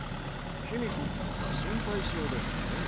ヒミコさんは心配性ですね。